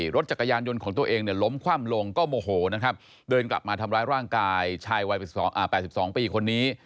รถจักรยานยนต์ของตัวเองเนี่ยล้มคว่ำลงก็โมโหนะครับเดินกลับมาทำร้ายร่างกายชายวัย๘๒ปีคนนี้